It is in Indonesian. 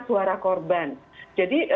suara korban jadi